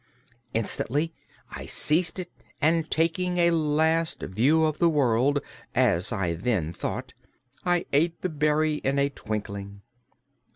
Instantly I seized it and taking a last view of the world as I then thought I ate the berry in a twinkling.